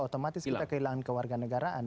otomatis kita kehilangan kewarganegaraan